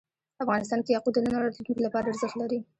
افغانستان کې یاقوت د نن او راتلونکي لپاره ارزښت لري.